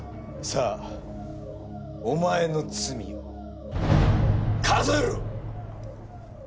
さあお前の罪を数えろ！